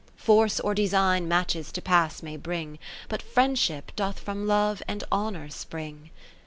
Force or Design matches to pass may bring, But Friendship doth from Love and Honour spring.